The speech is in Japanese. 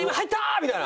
みたいな。